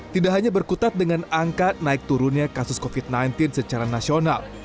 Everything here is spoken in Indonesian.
tidak hanya berkutat dengan angka naik turunnya kasus covid sembilan belas secara nasional